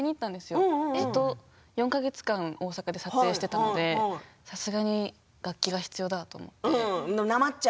４か月間、大阪で撮影をしていたのでさすがに楽器が必要だって。